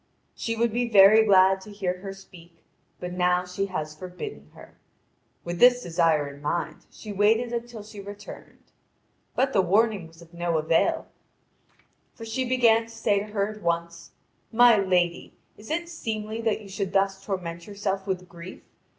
She would be very glad to hear her speak, but now she has forbidden her. With this desire in mind, she waited until she returned. But the warning was of no avail, for she began to say to her at once: "My lady, is it seemly that you should thus torment yourself with grief?